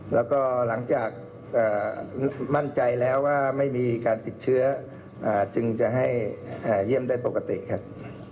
แล้วก็หลังจากมั่นใจแล้วว่าไม่มีการติดเชื้อจึงจะให้เยี่ยมได้ปกติครับ